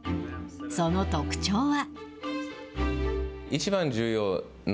その特徴は。